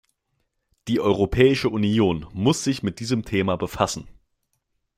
Die Europäische Union muss sich mit diesem Thema befassen.